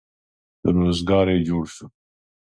روزګار یې جوړ شو.